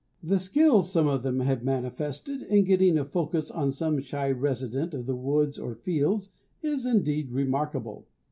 The skill some of them have manifested in getting a focus on some shy resident of the woods or fields is indeed remarkable.